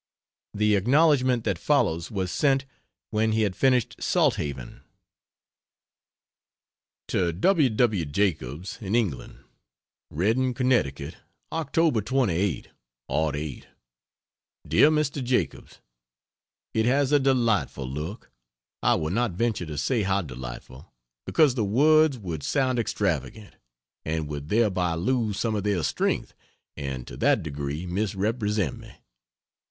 The acknowledgment that follows was sent when he had finished Salthaven. To W. W. Jacobs, in England: REDDING, CONN, Oct. 28, '08. DEAR MR. JACOBS, It has a delightful look. I will not venture to say how delightful, because the words would sound extravagant, and would thereby lose some of their strength and to that degree misrepresent me.